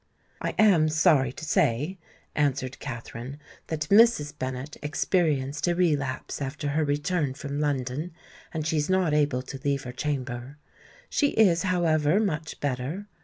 "I am sorry to say," answered Katherine, "that Mrs. Bennet experienced a relapse after her return from London; and she is not able to leave her chamber. She is, however, much better.